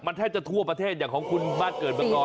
มันแทบจะทั่วประเทศอย่างของคุณบ้านเกิดมาก่อน